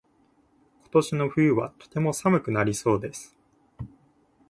今年の冬はとても寒くなりそうです。